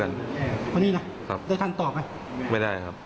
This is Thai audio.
ตอนนี้ได้ทานต่อไหมไม่ได้ครับ